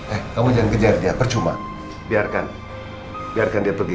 eh kamu jangan kejar dia percuma biarkan biarkan dia pergi